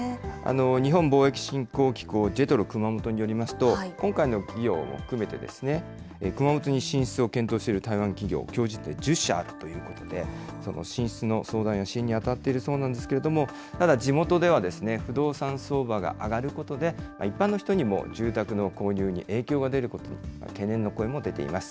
日本貿易振興機構・ジェトロくまもとによりますと、今回の企業も含めて、熊本に進出を検討している台湾企業、きょう時点で１０社あるということで、進出の相談や支援に当たっているそうなんですけれども、ただ地元ではですね、不動産相場が上がることで、一般の人にも住宅の購入に影響が出ることに懸念の声も出ています。